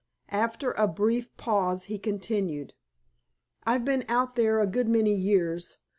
After a brief pause he continued "I've been out there a good many years.